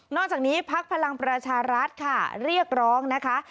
จากนี้พักพลังประชารัฐค่ะเรียกร้องนะคะ